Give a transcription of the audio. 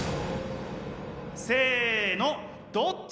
せのどっち？